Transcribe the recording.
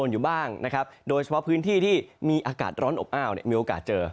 อยู่บ้างนะครับโดยเฉพาะพื้นที่ที่มีอากาศร้อนอบอ้าวเนี่ยมีโอกาสเจอ